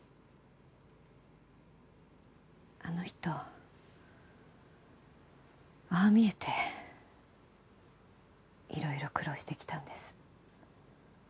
あの人ああ見えていろいろ苦労してきたんです。